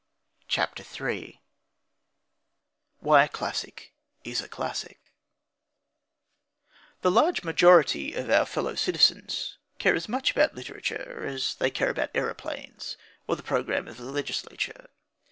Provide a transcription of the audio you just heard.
CHAPTER III WHY A CLASSIC IS A CLASSIC The large majority of our fellow citizens care as much about literature as they care about aeroplanes or the programme of the Legislature.